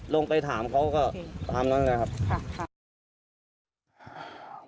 ลงไปถามเขาก็ตามนั้นเลยครับ